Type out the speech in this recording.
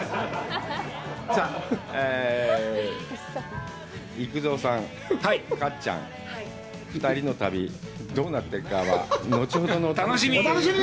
さあ、幾三さん、かっちゃん、２人の旅、どうなっているかは、後ほどのお楽しみ！